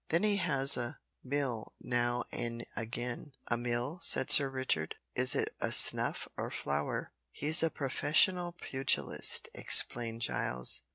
Then he has a mill now an' again " "A mill?" said Sir Richard, "is it a snuff or flour " "He's a professional pugilist," explained Giles.